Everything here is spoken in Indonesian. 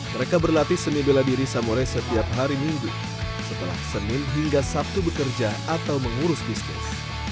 mereka berlatih seni bela diri samore setiap hari minggu setelah senin hingga sabtu bekerja atau mengurus bisnis